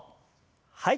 はい。